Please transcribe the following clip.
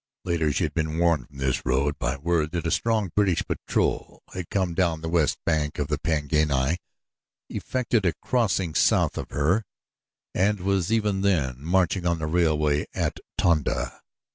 Later she had been warned from this road by word that a strong British patrol had come down the west bank of the Pangani, effected a crossing south of her, and was even then marching on the railway at Tonda.